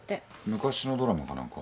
昔のドラマか何か？